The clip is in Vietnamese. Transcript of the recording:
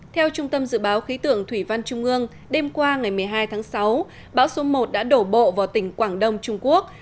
theo trung tâm dự báo khí tượng thủy văn trung ương đêm qua ngày một mươi hai tháng sáu bão số một đã đổ bộ vào tỉnh quảng đông trung quốc